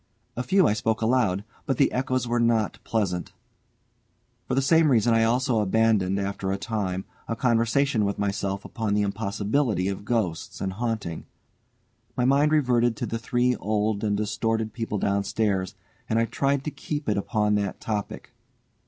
A few I spoke aloud, but the echoes were not pleasant. For the same reason I also abandoned, after a time, a conversation with myself upon the impossibility of ghosts and haunting. My mind reverted to the three old and distorted people downstairs, and I tried to keep it upon that topic.